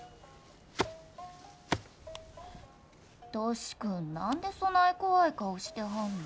歳くん何でそない怖い顔してはんの？